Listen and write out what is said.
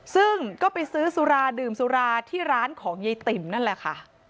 ซึ่งก็ไปซื้อสุราดื่มสุราที่ร้านของยายติ๋มนั่นแหละค่ะ